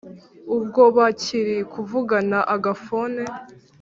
ubwo bakiri kuvugana agaphone